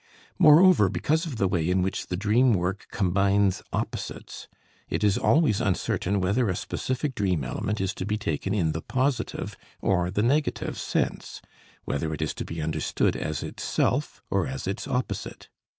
Moreover, because of the way in which the dream work combines opposites, it is always uncertain whether a specific dream element is to be taken in the positive or the negative sense, whether it is to be understood as itself or as its opposite.